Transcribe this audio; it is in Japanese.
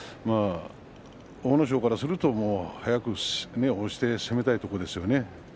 阿武咲からすると早く押して攻めたいところですよね。